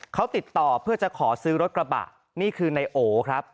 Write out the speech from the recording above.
เขาติดต่อเพื่อจะขอซื้อรถกระบะนี่คือนายโอครับ